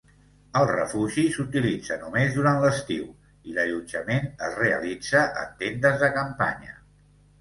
El refugi s'utilitza només durant l'estiu i l'allotjament es realitza en tendes de campanya.